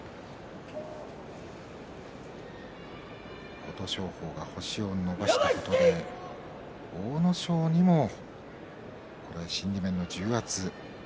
琴勝峰が星を伸ばしたことで阿武咲にも心理面の重圧